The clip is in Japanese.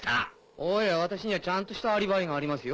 おい私にはちゃんとしたアリバイがありますよ？